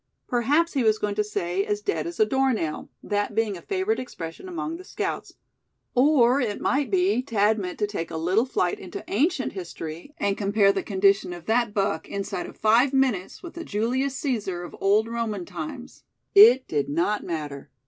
Perhaps he was going to say "as dead as a door nail," that being a favorite expression among the scouts; or it might be Thad meant to take a little flight into ancient history, and compare the condition of that buck inside of five minutes with the Julius Caesar of olden Roman times. It did not matter.